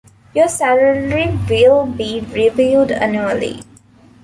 Your salary will be reviewed annually.